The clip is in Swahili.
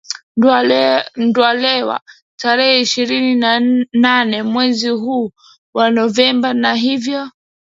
ndaliwa tarehe ishirini na nane mwezi huu wa novemba na hivyo